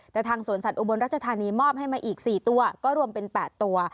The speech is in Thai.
แต่ทางสวนสัตว์อุบลรัชธานีมอบให้มาอีก๔ตัวก็รวมเป็น๘ตัว